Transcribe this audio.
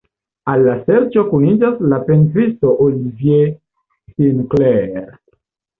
Al la serĉo kuniĝas la pentristo Olivier Sinclair.